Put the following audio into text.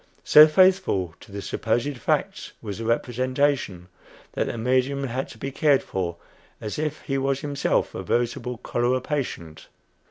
So faithful to the supposed facts was the representation, that the medium had to be cared for as if he was himself a veritable cholera patient.